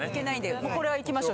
これはいきましょう。